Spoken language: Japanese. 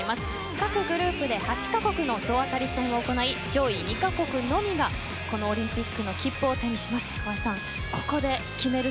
各グループで８カ国の総当たり戦を行い上位２カ国のみがこのオリンピックの切符を手にします。